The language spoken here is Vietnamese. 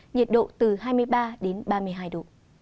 nhiệt độ từ hai mươi ba đến ba mươi hai độ